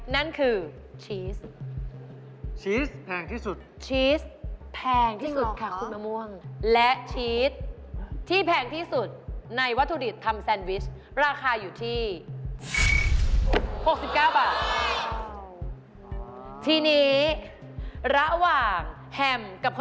นั่นคือ